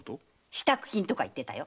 支度金とか言ってたよ。